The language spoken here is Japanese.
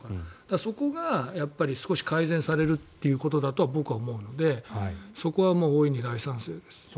そこが少し改善されるということだと僕は思うのでそこは大いに大賛成です。